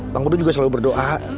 bang bedu hati hati ya